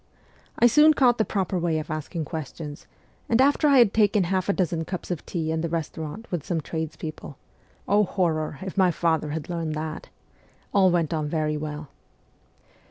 I soon caught the proper way of asking questions, and after I had taken half a dozen cups of tea in the restaurant with some trades people (oh, horror, if my father had learned that!), all went on very well.